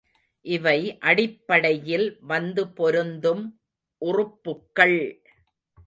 இவை அடிப்படையில் வந்து பொருந்தும் உறுப்புக்கள்!